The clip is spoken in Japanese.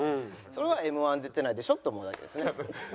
それはＭ−１出てないでしょって思うだけですね。